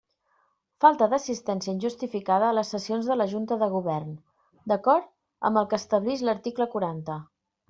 Falta d'assistència injustificada a les sessions de la Junta de Govern, d'acord amb el que establix l'article quaranta.